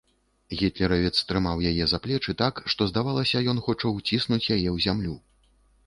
Гітлеравец трымаў яе за плечы так, што здавалася, ён хоча ўціснуць яе ў зямлю.